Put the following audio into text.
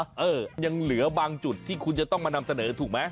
เออยังเหลือบางจุดที่คุณจะต้องมานำเสนอถูกไหม